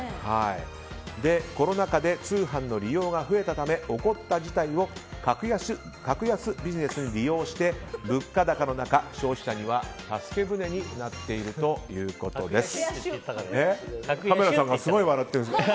コロナ禍で通販の利用が増えたため起こった事態を格安ビジネスに利用して物価高の中消費者には助け舟になっているということです。